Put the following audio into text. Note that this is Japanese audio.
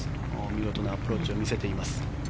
見事なアプローチを見せいています。